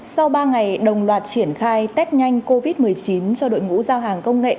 sau ba ngày đồng loạt triển khai test nhanh covid một mươi chín cho đội ngũ giao hàng công nghệ